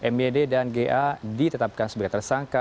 myd dan ga ditetapkan sebagai tersangka